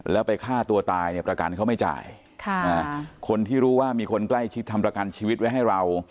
แล้วไปฆ่าตัวตายเนี่ยประกันเขาไม่จ่ายคนที่รู้ว่ามีคนใกล้ชิดทำประกันชีวิตไว้ให้เรา